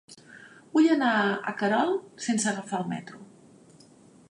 Vull anar a Querol sense agafar el metro.